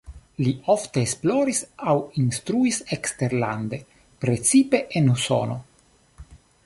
Li ofte esploris aŭ instruis eksterlande, precipe en Usono.